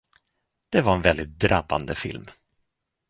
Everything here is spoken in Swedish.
Det var en väldigt drabbande film.